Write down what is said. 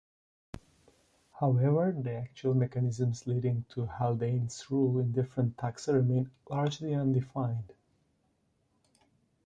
However, the actual mechanisms leading to Haldane's rule in different taxa remain largely undefined.